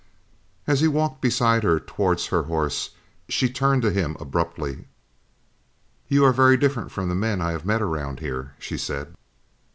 As he walked beside her towards her horse, she turned to him abruptly. "You are very different from the men I have met around here," she said.